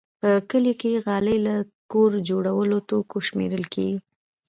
په کلیو کې غالۍ له کور جوړو توکو شمېرل کېږي.